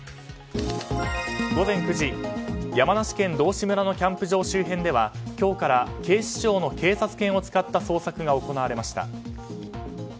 午前９時、山梨県道志村のキャンプ場周辺では今日から警視庁の警察犬を使った捜索が行われました。